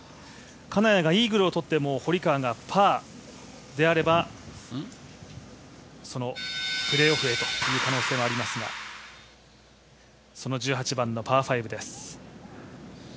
金谷がイーグルをとっても堀川がパーであればプレーオフへという可能性はありますが、その１８番のパー５です。